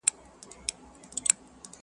شاعرانو پکښي ولوستل شعرونه!!